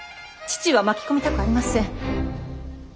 父は巻き込みたくありません。